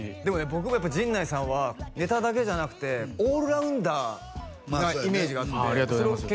僕もやっぱり陣内さんはネタだけじゃなくてオールラウンダーなイメージがあってありがとうございます